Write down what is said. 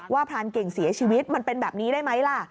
พรานเก่งเสียชีวิตมันเป็นแบบนี้ได้ไหมล่ะ